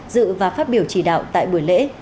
dự và phát biểu chỉ đạo tại buổi lễ